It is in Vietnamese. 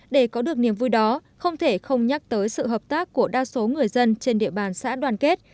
để có được niềm vui đó không thể không nhắc tới sự hợp tác của đa số người dân trên địa bàn xã đoàn kết